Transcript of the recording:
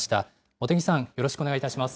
茂木さん、よろしくお願いいたします。